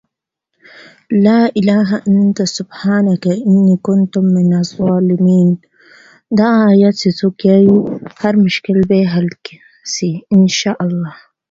ازادي راډیو د د جګړې راپورونه په اړه د استادانو شننې خپرې کړي.